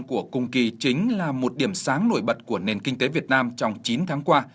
tăng trưởng gdp chín chính là một điểm sáng nổi bật của nền kinh tế việt nam trong chín tháng qua